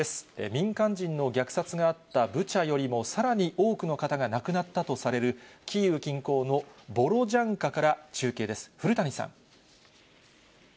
民間人の虐殺があったブチャよりもさらに多くの方が亡くなったとされる、キーウ近郊のボロジャンカから中継です、古谷さん。